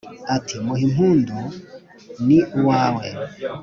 ati muhimpund'u ni uwawe